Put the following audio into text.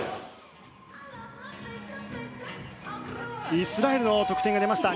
イスラエルの得点が出ました。